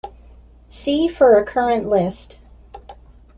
See for a current list.